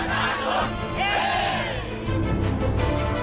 พักเพื่อไทยหัวไทยคือประชาชน